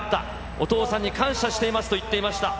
お父さんに感謝していますと言っていました。